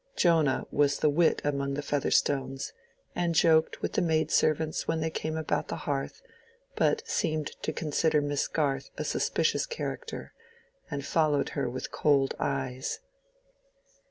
Jonah was the wit among the Featherstones, and joked with the maid servants when they came about the hearth, but seemed to consider Miss Garth a suspicious character, and followed her with cold eyes.